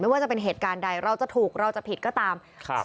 ว่าจะเป็นเหตุการณ์ใดเราจะถูกเราจะผิดก็ตามครับ